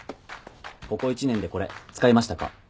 ここ一年でこれ使いましたか？